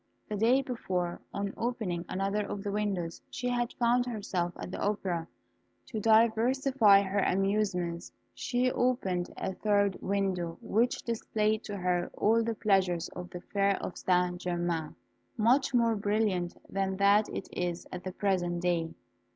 The day before, on opening another of the windows, she had found herself at the opera. To diversify her amusements, she now opened a third window, which displayed to her all the pleasures of the Fair of St. Germain, much more brilliant then than it is at the present day.